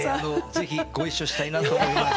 ぜひご一緒したいなと思います。